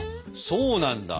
そうなんだ。